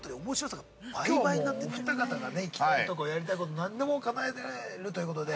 ◆きょうもうお二方が行きたいとこ、やりたいことを何でもかなえるということで。